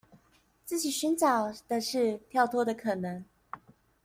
自己尋找的是跳脫的可能